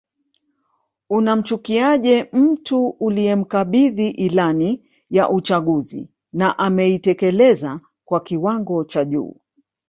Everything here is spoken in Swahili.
Unamchukiaje mtu uliyemkabidhi ilani ya uchaguzi na ameitekeleza kwa kiwango cha juu